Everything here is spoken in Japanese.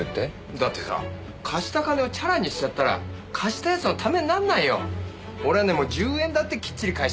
だってさ貸した金をチャラにしちゃったら貸した奴のためになんないよ。俺はねもう１０円だってきっちり返してもらう。